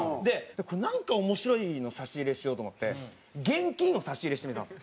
なんか面白いの差し入れしようと思って現金を差し入れしてみたんです。